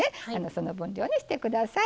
その分量にしてください。